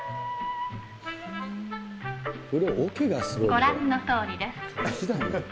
ご覧のとおりです。